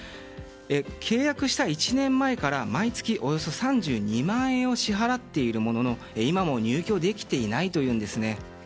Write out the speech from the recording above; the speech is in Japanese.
契約した１年前から毎月およそ３２万円を支払っているものの、今も入居できていないというんです。